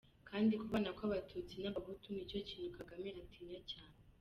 Kandi kubana kw’abatutsi n’abahutu, nicyo kintu Kagame atinya cyane.